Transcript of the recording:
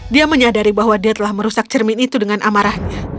dia menyadari bahwa dia telah merusak cermin itu dengan amarahnya